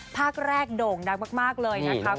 ภาคแรกโด่งดังมากเลยนะคะ